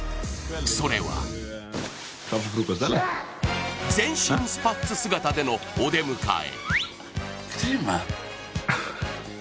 それは全身スパッツ姿でのお出迎え。